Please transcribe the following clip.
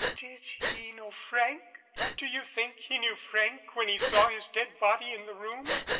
"Did he know Frank? Do you think he knew Frank when he saw his dead body in the room?"